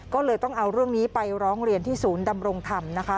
ก็เลยต้องเอาเรื่องนี้ไปร้องเรียนที่ศูนย์ดำรงธรรมนะคะ